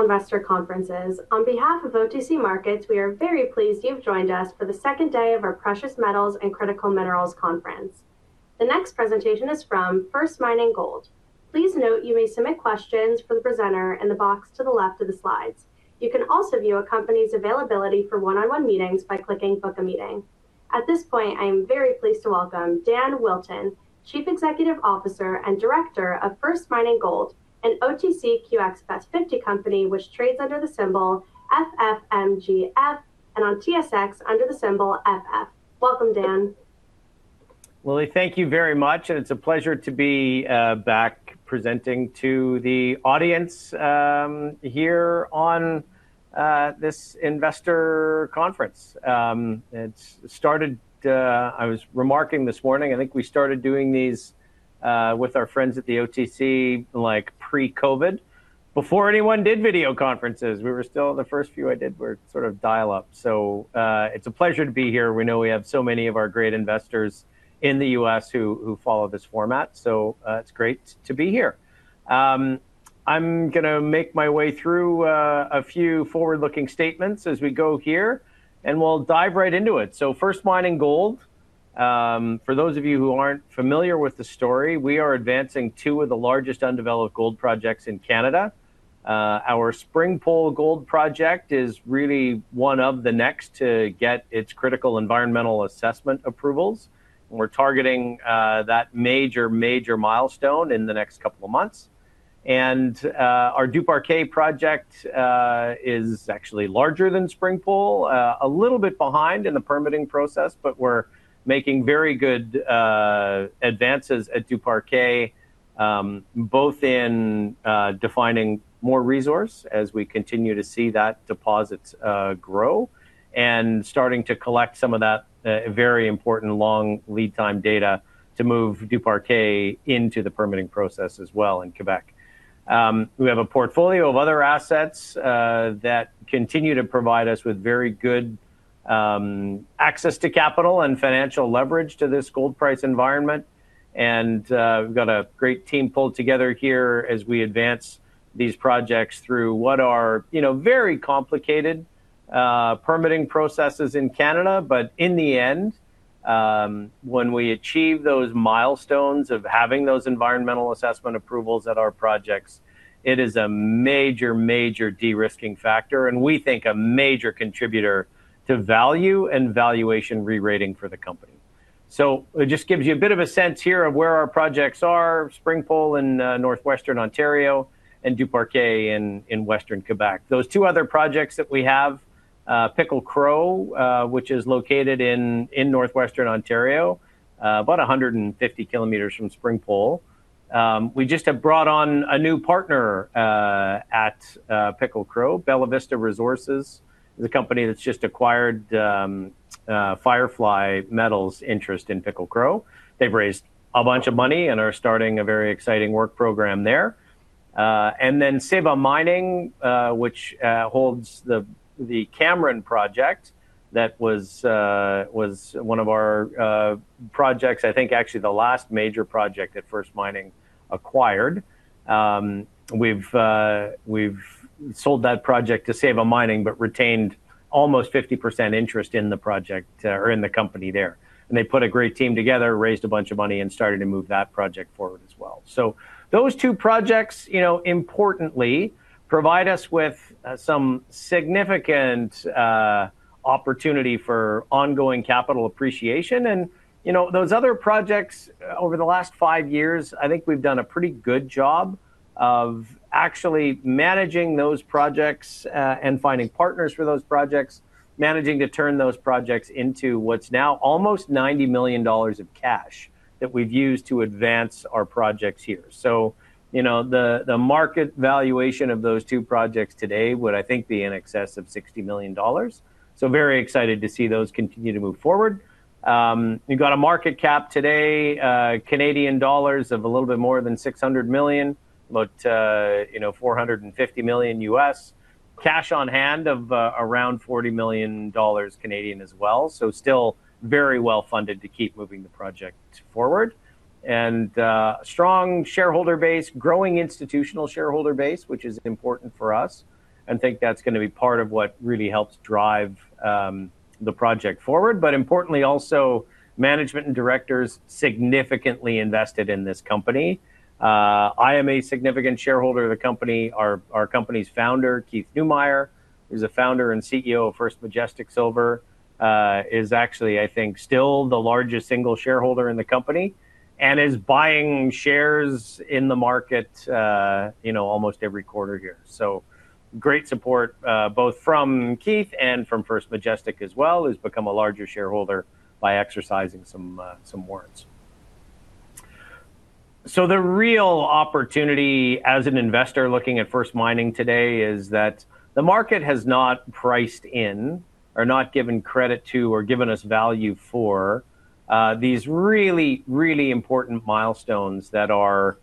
Investor conferences. On behalf of OTC Markets, we are very pleased you've joined us for the second day of our Precious Metals and Critical Minerals Conference. The next presentation is from First Mining Gold. Please note you may submit questions for the presenter in the box to the left of the slides. You can also view a company's availability for one-on-one meetings by clicking Book a Meeting. At this point, I am very pleased to welcome Dan Wilton, Chief Executive Officer and Director of First Mining Gold, an OTCQX Best 50 company which trades under the symbol FFMGF and on TSX under the symbol FF. Welcome, Dan. Lily, thank you very much. It's a pleasure to be back presenting to the audience here on this investor conference. It's started, I was remarking this morning, I think we started doing these with our friends at the OTC like pre-COVID. Before anyone did video conferences, we were still, the first few I did were sort of dial-up. It's a pleasure to be here. We know we have so many of our great investors in the U.S. who follow this format. It's great to be here. I'm gonna make my way through a few forward-looking statements as we go here. We'll dive right into it. First Mining Gold, for those of you who aren't familiar with the story, we are advancing two of the largest undeveloped gold projects in Canada. Our Springpole Gold Project is really one of the next to get its critical environmental assessment approvals. We're targeting that major milestone in the next couple of months. Our Duparquet project is actually larger than Springpole, a little bit behind in the permitting process, but we're making very good advances at Duparquet, both in defining more resource as we continue to see that deposit grow, and starting to collect some of that very important long lead time data to move Duparquet into the permitting process as well in Quebec. We have a portfolio of other assets that continue to provide us with very good access to capital and financial leverage to this gold price environment. We've got a great team pulled together here as we advance these projects through what are, you know, very complicated permitting processes in Canada. In the end, when we achieve those milestones of having those environmental assessment approvals at our projects, it is a major de-risking factor, and we think a major contributor to value and valuation re-rating for the company. It just gives you a bit of a sense here of where our projects are, Springpole in northwestern Ontario and Duparquet in western Quebec. Those two other projects that we have, Pickle Crow, which is located in northwestern Ontario, about 150 km from Springpole. We just have brought on a new partner at Pickle Crow. Bellavista Resources is a company that's just acquired FireFly Metals' interest in Pickle Crow. They've raised a bunch of money and are starting a very exciting work program there. Seva Mining, which holds the Cameron project that was one of our projects, I think actually the last major project that First Mining acquired. We've sold that project to Seva Mining, but retained almost 50% interest in the project or in the company there. They put a great team together, raised a bunch of money, and started to move that project forward as well. Those two projects, you know, importantly provide us with some significant opportunity for ongoing capital appreciation. You know, those other projects, over the last five years, I think we've done a pretty good job of actually managing those projects, and finding partners for those projects, managing to turn those projects into what's now almost 90 million dollars of cash that we've used to advance our projects here. You know, the market valuation of those two projects today would, I think, be in excess of 60 million dollars. Very excited to see those continue to move forward. We've got a market cap today, Canadian dollars of a little bit more than 600 million, you know, $450 million U.S. Cash on hand of around 40 million Canadian dollars as well. Still very well-funded to keep moving the project forward. Strong shareholder base, growing institutional shareholder base, which is important for us, and think that's gonna be part of what really helps drive the project forward. Importantly, also management and directors significantly invested in this company. I am a significant shareholder of the company. Our company's founder, Keith Neumeyer, who is a founder and Chief Executive Officer of First Majestic Silver, is actually, I think, still the largest single shareholder in the company and is buying shares in the market, you know, almost every quarter here. Great support, both from Keith and from First Majestic as well, who's become a larger shareholder by exercising some warrants. The real opportunity as an investor looking at First Mining Gold today is that the market has not priced in or not given credit to or given us value for, these really, really important milestones that are,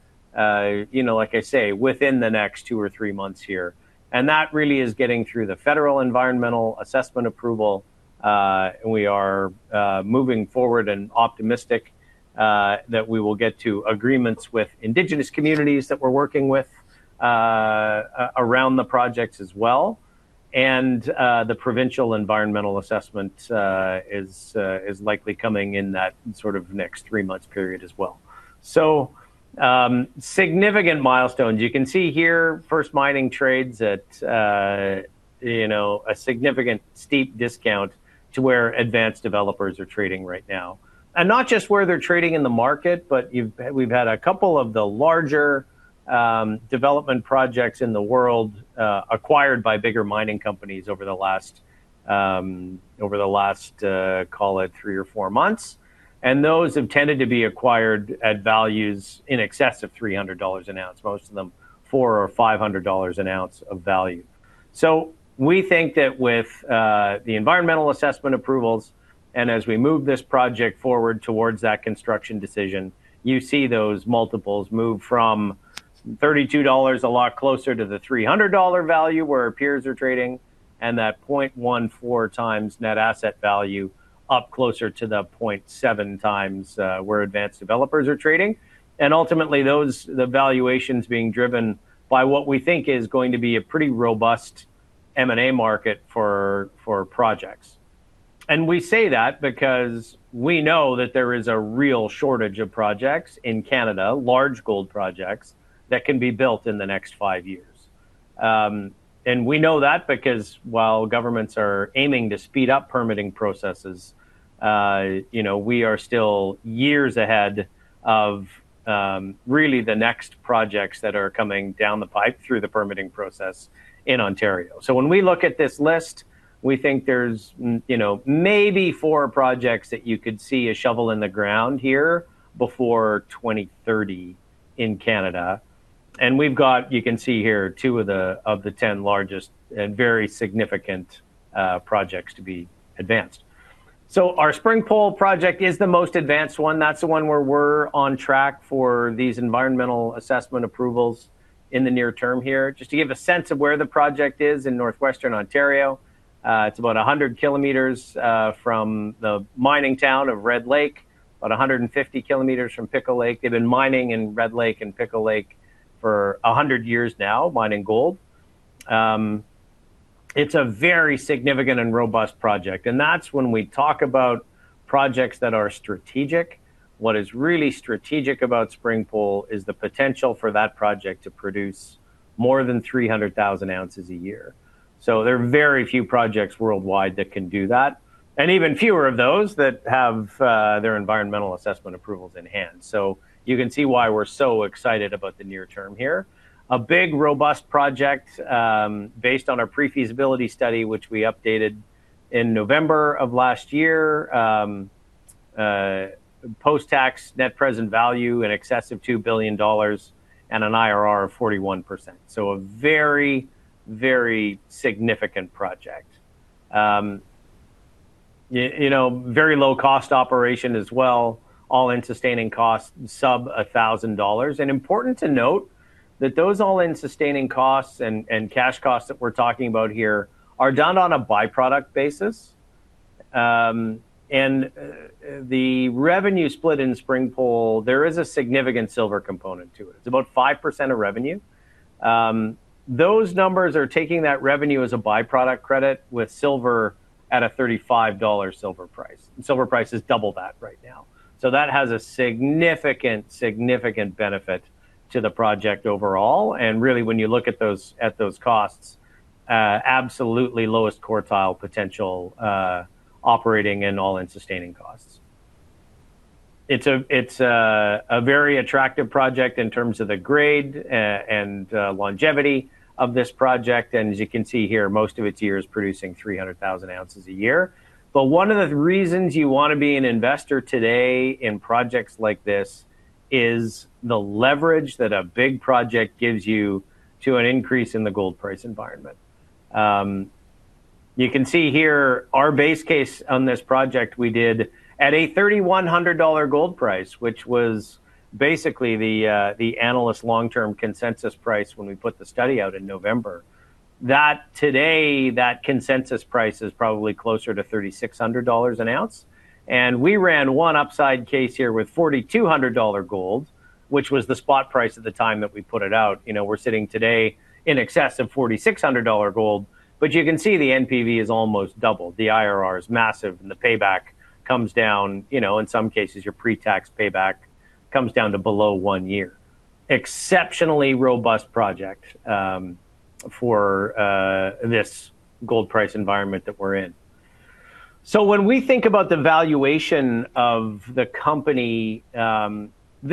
you know, like I say, within the next two or three months here. That really is getting through the federal environmental assessment approval. And we are moving forward and optimistic that we will get to agreements with Indigenous communities that we're working with around the projects as well. The provincial environmental assessment is likely coming in that sort of next three months period as well. Significant milestones. You can see here First Mining Gold trades at, you know, a significant steep discount to where advanced developers are trading right now. Not just where they're trading in the market, but we've had a couple of the larger development projects in the world acquired by bigger mining companies over the last, call it three or four months. Those have tended to be acquired at values in excess of 300 dollars an ounce, most of them 400 or 500 dollars an ounce of value. We think that with the environmental assessment approvals and as we move this project forward towards that construction decision, you see those multiples move from 32 dollars a lot closer to the 300 dollar value where our peers are trading and that 0.14x net asset value up closer to the 0.7x where advanced developers are trading. Ultimately those, the valuations being driven by what we think is going to be a pretty robust M&A market for projects. We say that because we know that there is a real shortage of projects in Canada, large gold projects that can be built in the next five years. We know that because while governments are aiming to speed up permitting processes, you know, we are still years ahead of really the next projects that are coming down the pipe through the permitting process in Ontario. When we look at this list, we think there's, you know, maybe 4 projects that you could see a shovel in the ground here before 2030 in Canada. We've got, you can see here, two of the 10 largest and very significant projects to be advanced. Our SpringPole project is the most advanced one. That's the one where we're on track for these environmental assessment approvals in the near term here. Just to give a sense of where the project is in Northwestern Ontario, it's about 100 km from the mining town of Red Lake, about 150 km from Pickle Lake. They've been mining in Red Lake and Pickle Lake for 100 years now, mining gold. It's a very significant and robust project. That's when we talk about projects that are strategic. What is really strategic about Spring Pole is the potential for that project to produce more than 300,000 ounces a year. There are very few projects worldwide that can do that, and even fewer of those that have their environmental assessment approvals in hand. You can see why we're so excited about the near term here. A big, robust project, based on our pre-feasibility study, which we updated in November of last year. Post-tax net present value in excess of 2 billion dollars and an IRR of 41%. A very, very significant project. You know, very low cost operation as well, all-in sustaining costs sub 1,000 dollars. Important to note that those all-in sustaining costs and cash costs that we're talking about here are done on a byproduct basis. The revenue split in Spring Pole, there is a significant silver component to it. It's about 5% of revenue. Those numbers are taking that revenue as a byproduct credit with silver at a 35 dollar silver price. Silver price is double that right now. That has a significant benefit to the project overall. Really when you look at those costs, absolutely lowest quartile potential operating and all-in sustaining costs. It's a very attractive project in terms of the grade and longevity of this project. As you can see here, most of its year is producing 300,000 ounces a year. One of the reasons you want to be an investor today in projects like this is the leverage that a big project gives you to an increase in the gold price environment. You can see here our base case on this project we did at a $3,100 gold price, which was basically the analyst long-term consensus price when we put the study out in November. Today, that consensus price is probably closer to $3,600 an ounce. We ran 1 upside case here with 4,200 dollar gold, which was the spot price at the time that we put it out. You know, we're sitting today in excess of 4,600 dollar gold, but you can see the NPV is almost double. The IRR is massive and the payback comes down, you know, in some cases your pre-tax payback comes down to below one year. Exceptionally robust project for this gold price environment that we're in. When we think about the valuation of the company,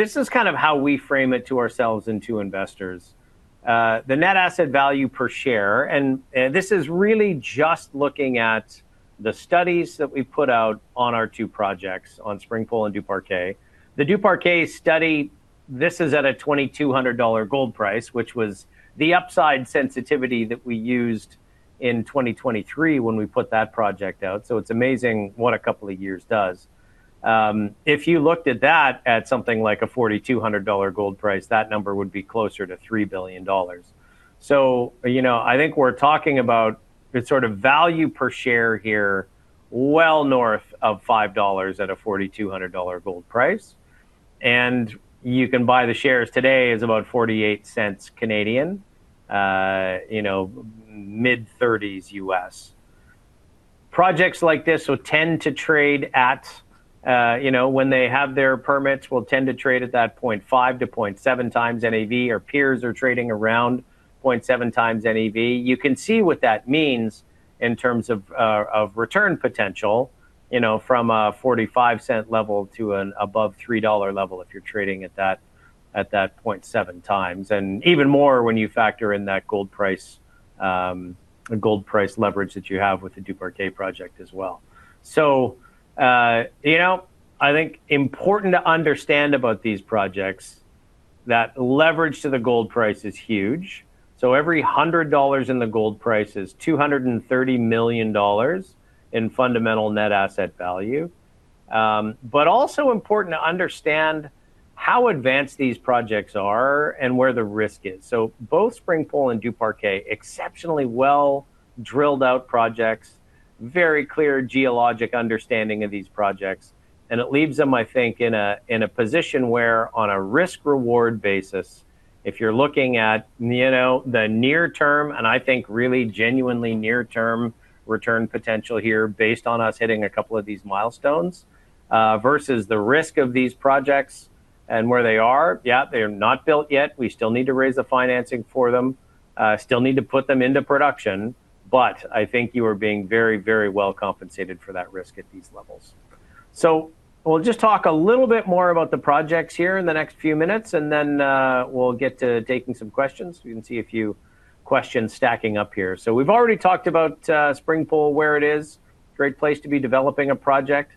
this is kind of how we frame it to ourselves and to investors. The net asset value per share, and this is really just looking at the studies that we've put out on our two projects on Spring Pole and Duparquet. The Duparquet study, this is at a 2,200 dollar gold price, which was the upside sensitivity that we used in 2023 when we put that project out. It's amazing what a couple of years does. If you looked at that at something like a 4,200 dollar gold price, that number would be closer to 3 billion dollars. You know, I think we're talking about the sort of value per share here well north of 5 dollars at a 4,200 dollar gold price. You can buy the shares today is about 0.48, you know, mid-thirties U.S. Projects like this will tend to trade at, you know, when they have their permits, will tend to trade at that 0.5 to 0.7x NAV. Our peers are trading around 0.7x NAV. You can see what that means in terms of of return potential, you know, from a 0.45 level to an above 3 dollar level if you're trading at that 0.7x, and even more when you factor in that gold price, gold price leverage that you have with the Duparquet project as well. You know, I think important to understand about these projects, that leverage to the gold price is huge. Every 100 dollars in the gold price is 230 million dollars in fundamental net asset value. Also important to understand how advanced these projects are and where the risk is. Both Springpole and Duparquet, exceptionally well drilled-out projects, very clear geologic understanding of these projects, and it leaves them, I think, in a position where on a risk-reward basis, if you're looking at, you know, the near term, and I think really genuinely near-term return potential here based on us hitting a couple of these milestones, versus the risk of these projects and where they are, yeah, they are not built yet. We still need to raise the financing for them, still need to put them into production. I think you are being very well compensated for that risk at these levels. We'll just talk a little bit more about the projects here in the next few minutes, and then, we'll get to taking some questions. We can see a few questions stacking up here. We've already talked about Springpole, where it is. Great place to be developing a project.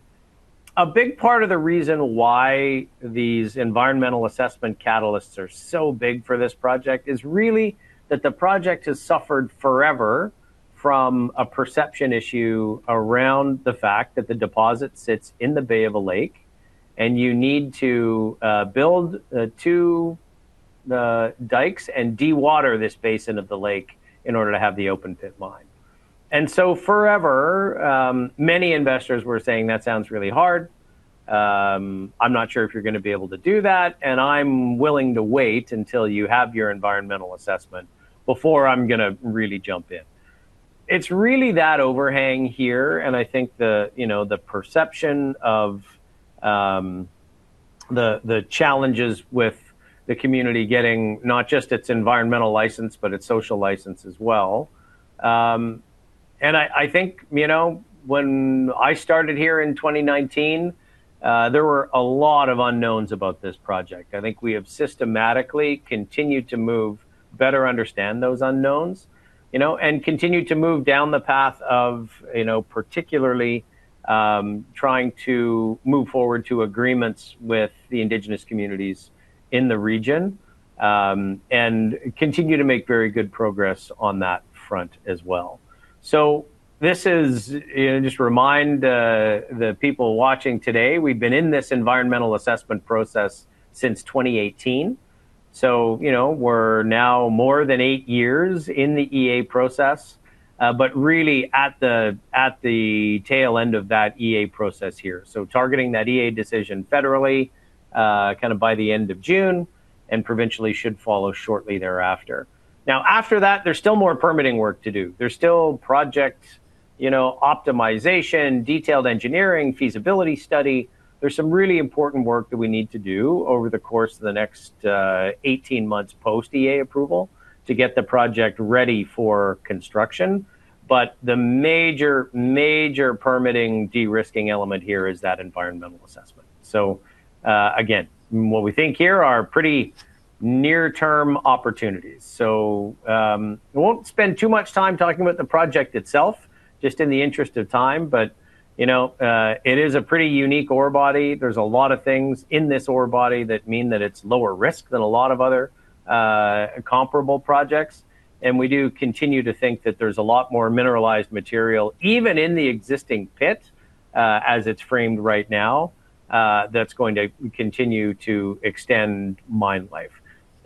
A big part of the reason why these environmental assessment catalysts are so big for this project is really that the project has suffered forever from a perception issue around the fact that the deposit sits in the bay of a lake, and you need to build two dikes and dewater this basin of the lake in order to have the open pit mine. Forever, many investors were saying, "That sounds really hard. I'm not sure if you're gonna be able to do that, and I'm willing to wait until you have your environmental assessment before I'm gonna really jump in." It's really that overhang here, and I think the, you know, the perception of the challenges with the community getting not just its environmental license but its social license as well. I think, you know, when I started here in 2019, there were a lot of unknowns about this project. I think we have systematically continued to move, better understand those unknowns, you know, and continue to move down the path of, you know, particularly trying to move forward to agreements with the indigenous communities in the region, and continue to make very good progress on that front as well. This is, you know, just remind the people watching today, we've been in this environmental assessment process since 2018. You know, we're now more than eight years in the EA process, but really at the tail end of that EA process here. Targeting that EA decision federally, kinda by the end of June, and provincially should follow shortly thereafter. After that, there's still more permitting work to do. There's still project, you know, optimization, detailed engineering, feasibility study. There's some really important work that we need to do over the course of the next 18 months post EA approval to get the project ready for construction. The major permitting de-risking element here is that environmental assessment. Again, what we think here are pretty near-term opportunities. I won't spend too much time talking about the project itself, just in the interest of time. You know, it is a pretty unique ore body. There's a lot of things in this ore body that mean that it's lower risk than a lot of other comparable projects. We do continue to think that there's a lot more mineralized material, even in the existing pit, as it's framed right now, that's going to continue to extend mine life.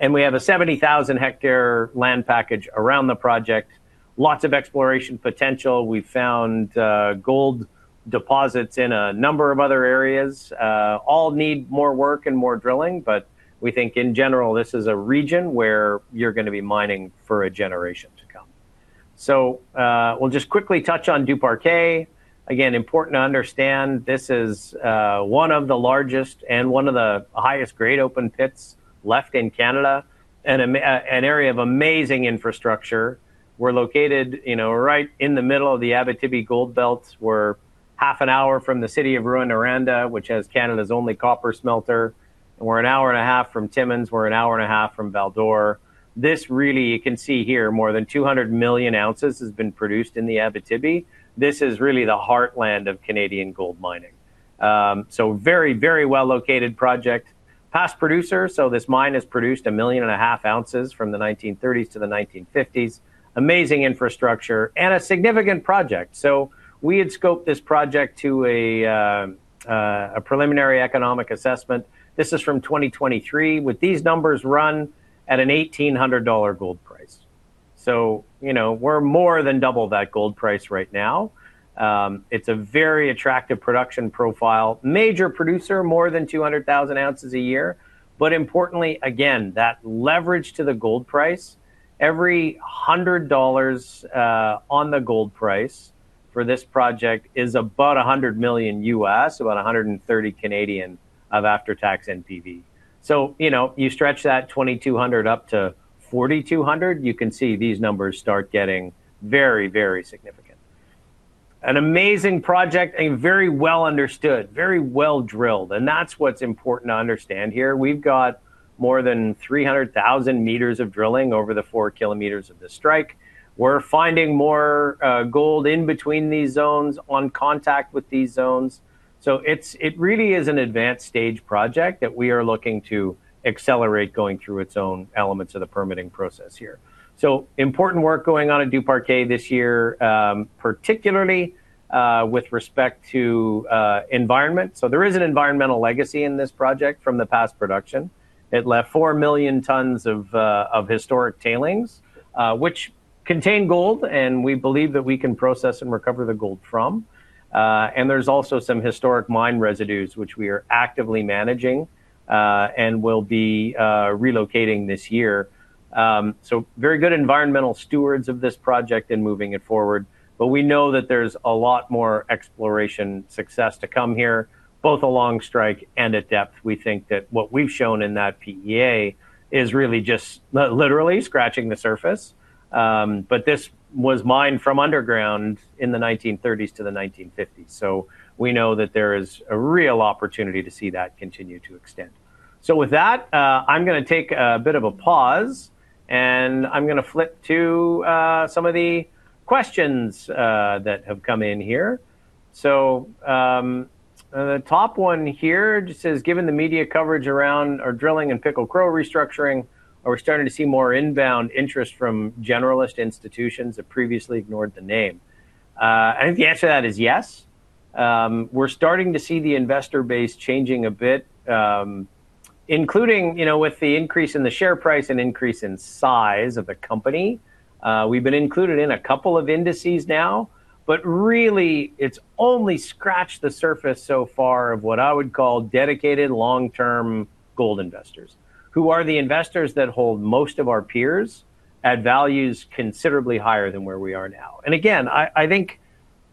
We have a 70,000 hectare land package around the project, lots of exploration potential. We found gold deposits in a number of other areas. All need more work and more drilling, but we think in general this is a region where you're gonna be mining for a generation to come. We'll just quickly touch on Duparquet. Important to understand this is one of the largest and one of the highest grade open pits left in Canada, an area of amazing infrastructure. We're located, you know, right in the middle of the Abitibi gold belts. We're half an hour from the city of Rouyn-Noranda, which has Canada's only copper smelter. We're an hour and a half from Timmins. We're an hour and a half from Val-d'Or. This really, you can see here, more than 200 million ounces has been produced in the Abitibi. This is really the heartland of Canadian gold mining. Very, very well-located project. Past producer, this mine has produced 1.5 million ounces from the 1930s to the 1950s. Amazing infrastructure and a significant project. We had scoped this project to a preliminary economic assessment. This is from 2023, with these numbers run at an $1,800 gold price. You know, we're more than double that gold price right now. It's a very attractive production profile. Major producer, more than 200,000 ounces a year. Importantly, again, that leverage to the gold price, every $100 on the gold price for this project is about $100 million U.S., about 130 million of after-tax NPV. You know, you stretch that 2,200 up to 4,200, you can see these numbers start getting very, very significant. An amazing project, a very well understood, very well drilled, and that's what's important to understand here. We've got more than 300,000 m of drilling over the 4 km of the strike. We're finding more gold in between these zones, on contact with these zones. It really is an advanced stage project that we are looking to accelerate going through its own elements of the permitting process here. Important work going on at Duparquet this year, particularly with respect to environment. There is an environmental legacy in this project from the past production. It left 4 million tons of historic tailings, which contain gold, and we believe that we can process and recover the gold from. And there's also some historic mine residues, which we are actively managing, and will be relocating this year. Very good environmental stewards of this project in moving it forward. We know that there's a lot more exploration success to come here, both along strike and at depth. We think that what we've shown in that PEA is really just literally scratching the surface. This was mined from underground in the 1930s to the 1950s, we know that there is a real opportunity to see that continue to extend. With that, I'm gonna take a bit of a pause, and I'm gonna flip to some of the questions that have come in here. The top one here just says, "Given the media coverage around our drilling and Pickle Crow restructuring, are we starting to see more inbound interest from generalist institutions that previously ignored the name?" I think the answer to that is yes. We're starting to see the investor base changing a bit, including, you know, with the increase in the share price and increase in size of the company. We've been included in a couple of indices now. Really, it's only scratched the surface so far of what I would call dedicated long-term gold investors, who are the investors that hold most of our peers at values considerably higher than where we are now. Again, I think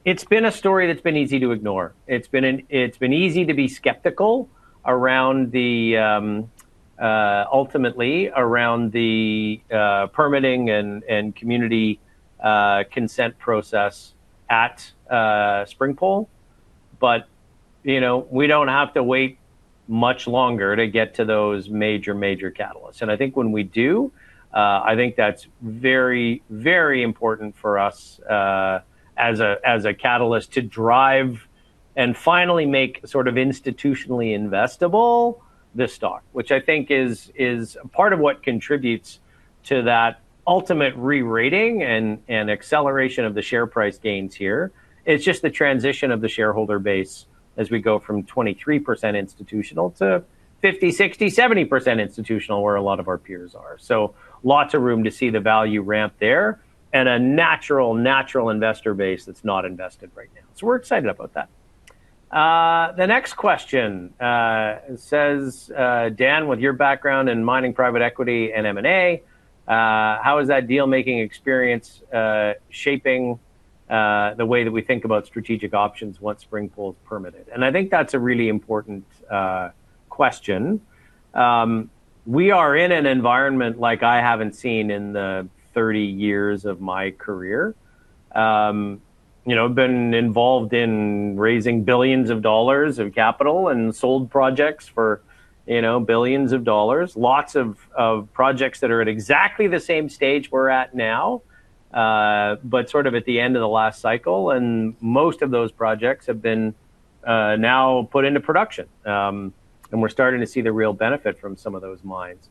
it's been a story that's been easy to ignore. It's been easy to be skeptical around the ultimately around the permitting and community consent process at Springpole. You know, we don't have to wait much longer to get to those major catalysts. I think when we do, I think that's very important for us as a catalyst to drive and finally make sort of institutionally investable this stock. I think is part of what contributes to that ultimate re-rating and acceleration of the share price gains here. It's just the transition of the shareholder base as we go from 23% institutional to 50%, 60%, 70% institutional, where a lot of our peers are. Lots of room to see the value ramp there and a natural investor base that's not invested right now. We're excited about that. The next question says, "Dan, with your background in mining private equity and M&A, how is that deal-making experience shaping the way that we think about strategic options once Springpole's permitted?" I think that's a really important question. We are in an environment like I haven't seen in the 30 years of my career. You know, been involved in raising billions of dollars of capital and sold projects for, you know, billions of dollars. Lots of projects that are at exactly the same stage we're at now, but sort of at the end of the last cycle. Most of those projects have been now put into production. We're starting to see the real benefit from some of those mines.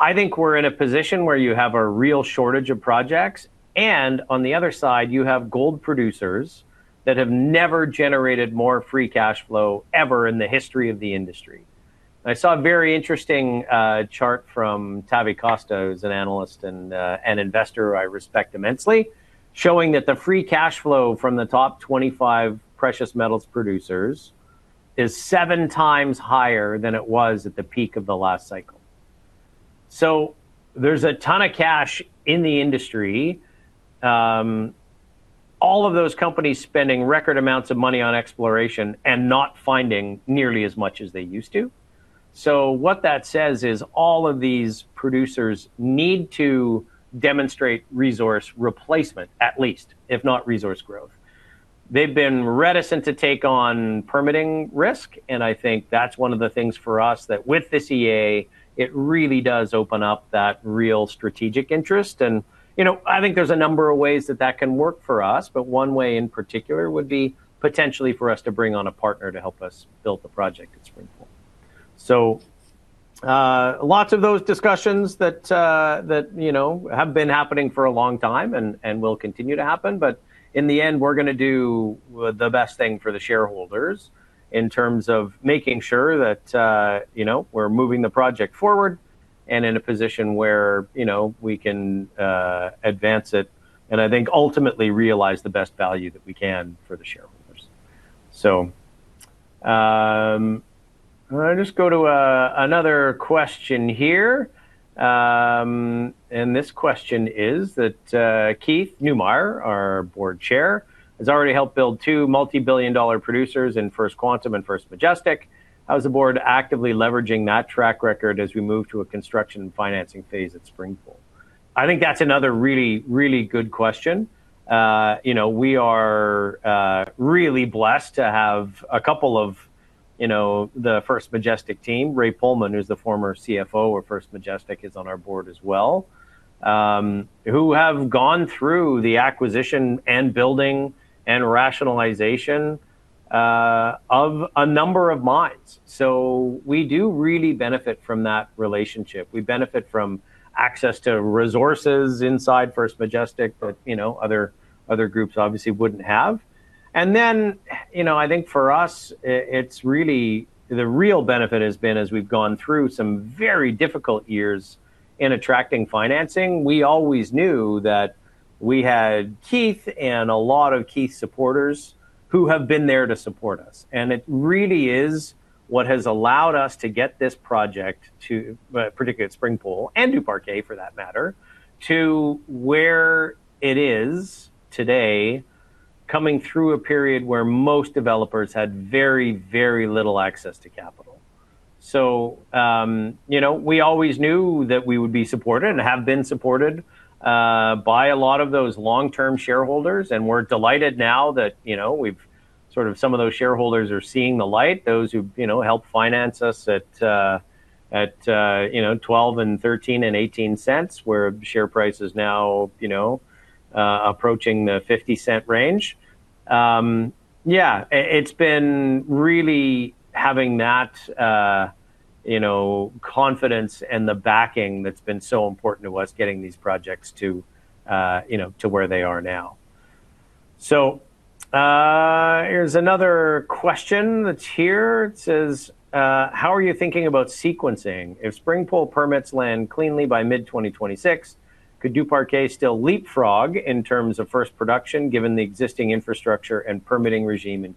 I think we're in a position where you have a real shortage of projects, and on the other side, you have gold producers that have never generated more free cash flow ever in the history of the industry. I saw a very interesting chart from Tavi Costa, who's an analyst and an investor I respect immensely, showing that the free cash flow from the top 25 precious metals producers is 7x higher than it was at the peak of the last cycle. There's a ton of cash in the industry. All of those companies spending record amounts of money on exploration and not finding nearly as much as they used to. What that says is all of these producers need to demonstrate resource replacement, at least, if not resource growth. They've been reticent to take on permitting risk, and I think that's one of the things for us that with this EA, it really does open up that real strategic interest. You know, I think there's a number of ways that that can work for us, but one way in particular would be potentially for us to bring on a partner to help us build the project at Springpole. Lots of those discussions that, you know, have been happening for a long time and will continue to happen. In the end, we're gonna do the best thing for the shareholders in terms of making sure that, you know, we're moving the project forward and in a position where, you know, we can advance it, and I think ultimately realize the best value that we can for the shareholders. I'll just go to another question here. This question is that, "Keith Neumeyer, our Board Chair, has already helped build 2 multi-billion dollar producers in First Quantum and First Majestic. How is the board actively leveraging that track record as we move to a construction and financing phase at Springpole?" I think that's another really, really good question. We are really blessed to have a couple of the First Majestic team, Raymond Polman, who's the former CFO of First Majestic, is on our board as well, who have gone through the acquisition and building and rationalization of a number of mines. We do really benefit from that relationship. We benefit from access to resources inside First Majestic that other groups obviously wouldn't have. You know, I think for us, it's really, the real benefit has been, as we've gone through some very difficult years in attracting financing, we always knew that we had Keith and a lot of Keith's supporters who have been there to support us. It really is what has allowed us to get this project to, particularly at Springpole, and Duparquet for that matter, to where it is today, coming through a period where most developers had very, very little access to capital. You know, we always knew that we would be supported, and have been supported, by a lot of those long-term shareholders, and we're delighted now that, you know, we've sort of some of those shareholders are seeing the light, those who, you know, helped finance us at 0.12 and 0.13 and 0.18, where share price is now, you know, approaching the 0.50 range. It's been really having that, you know, confidence and the backing that's been so important to us getting these projects to, you know, to where they are now. Here's another question that's here. It says, "How are you thinking about sequencing? If Springpole permits land cleanly by mid-2026, could Duparquet still leapfrog in terms of first production, given the existing infrastructure and permitting regime in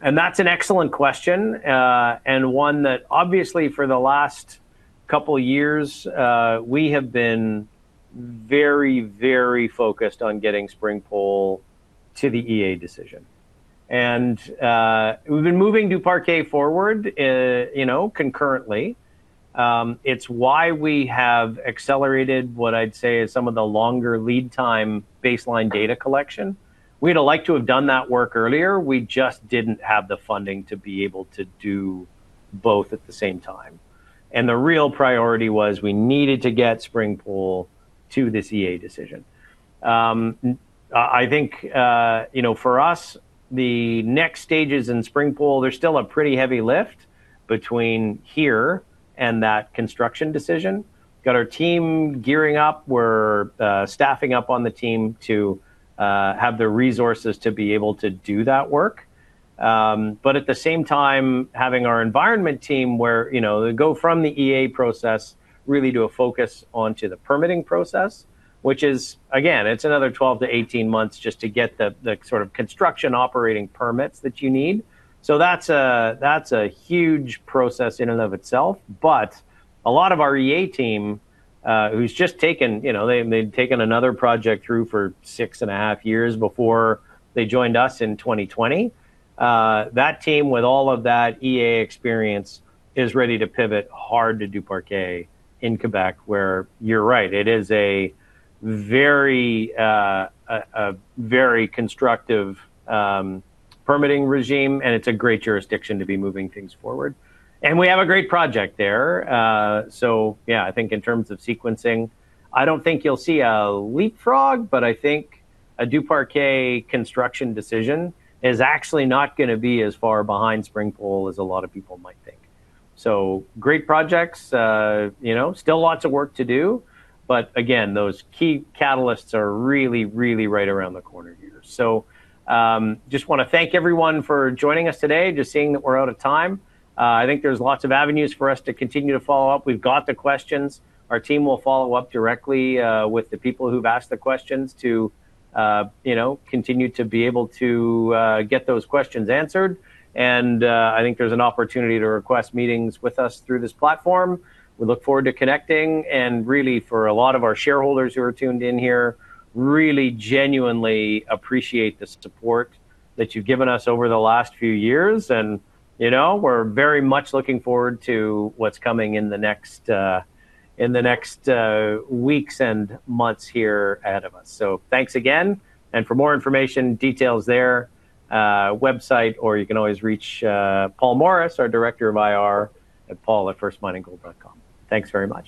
Quebec? That's an excellent question, and one that obviously for the last couple years, we have been very, very focused on getting Springpole to the EA decision. We've been moving Duparquet forward, you know, concurrently. It's why we have accelerated what I'd say is some of the longer lead time baseline data collection. We'd have liked to have done that work earlier, we just didn't have the funding to be able to do both at the same time, and the real priority was we needed to get Springpole to this EA decision. I think, you know, for us, the next stages in Springpole, there's still a pretty heavy lift between here and that construction decision. Got our team gearing up. We're staffing up on the team to have the resources to be able to do that work. At the same time, having our environment team where, you know, they go from the EA process really to a focus onto the permitting process, which is, again, it's another 12 to 18 months just to get the sort of construction operating permits that you need. That's a, that's a huge process in and of itself. A lot of our EA team, who's just taken, you know, they've taken another project through for six and half years before they joined us in 2020, that team with all of that EA experience is ready to pivot hard to Duparquet in Quebec, where you're right, it is a very, a very constructive permitting regime, and it's a great jurisdiction to be moving things forward. We have a great project there. Yeah, I think in terms of sequencing, I don't think you'll see a leapfrog, but I think a Duparquet construction decision is actually not gonna be as far behind Springpole as a lot of people might think. Great projects, you know, still lots of work to do, but again, those key catalysts are really, really right around the corner here. Just wanna thank everyone for joining us today. Just seeing that we're out of time. I think there's lots of avenues for us to continue to follow up. We've got the questions. Our team will follow up directly with the people who've asked the questions to, you know, continue to be able to get those questions answered. I think there's an opportunity to request meetings with us through this platform. We look forward to connecting and really for a lot of our shareholders who are tuned in here, really genuinely appreciate the support that you've given us over the last few years and, you know, we're very much looking forward to what's coming in the next weeks and months here ahead of us. Thanks again, and for more information, details there, website or you can always reach Paul Morris, our Director of IR, at paul@firstmininggold.com. Thanks very much.